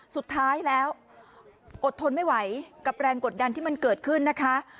สุดท้ายแล้วอดทนไม่ไหวกับแรงกดดันที่มันเกิดขึ้นนะคะ